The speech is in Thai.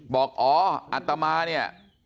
บอกอ๋ออัตมาเนี่ย